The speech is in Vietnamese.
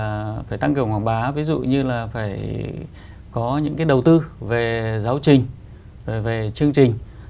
có những nội dung khác là phải tăng kiểu quảng bá ví dụ như là phải có những đầu tư về giáo trình về chương trình